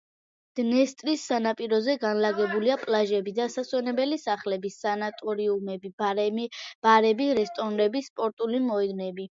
დნესტრის სანაპიროზე განლაგებულია პლაჟები, დასასვენებელი სახლები, სანატორიუმები, ბარები, რესტორნები, სპორტული მოედნები.